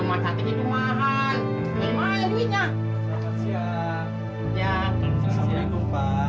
selamat siang pak